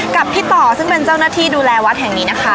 กับพี่ต่อซึ่งเป็นเจ้าหน้าที่ดูแลวัดแห่งนี้นะคะ